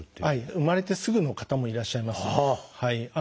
生まれてすぐの方もいらっしゃいます。